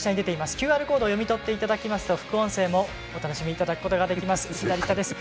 ＱＲコード読み取っていただきますと副音声もお楽しみいただくことができます。